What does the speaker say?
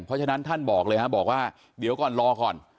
เพราะฉะนั้นท่านบอกเลยฮะบอกว่าเดี๋ยวก่อนรอก่อน